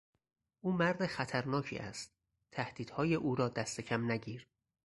او مرد خطر ناکی است - تهدیدهای او را دست کم نگیر!